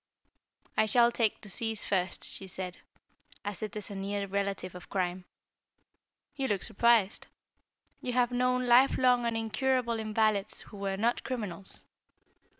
"I shall take Disease first," she said, "as it is a near relative of Crime. You look surprised. You have known life long and incurable invalids who were not criminals.